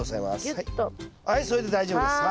はいそれで大丈夫です。